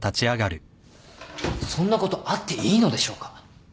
そんなことあっていいのでしょうか？